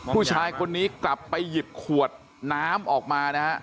ผู้ชายคนนี้กลับไปหยิบขวดน้ำออกมานะฮะ